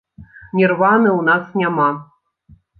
Нірваны ў нас няма!